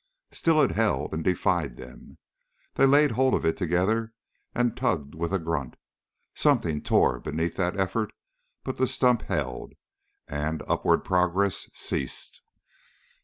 Still it held and defied them. They laid hold of it together and tugged with a grunt; something tore beneath that effort, but the stump held, and upward progress ceased.